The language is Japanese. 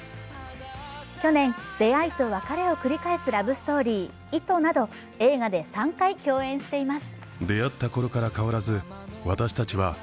去年、出会いと別れを繰り返すラブストーリー「糸」など映画で３回共演しています。